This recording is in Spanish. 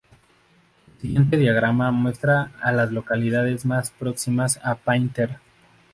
El siguiente diagrama muestra a las localidades más próximas a Painter.